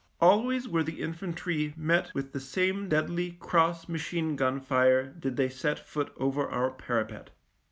Always were the infantry met with the same deadly cross machine gun fire did they set foot over our parapet.